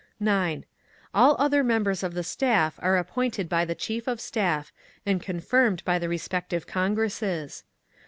9. All other members of the Staff are appointed by the Chief of Staff, and confirmed by the respective congresses.